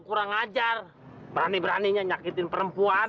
kurang ajar berani beraninya nyakitin perempuan